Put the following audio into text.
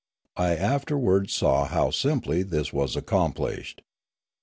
I afterwards saw how simply this was ac complished.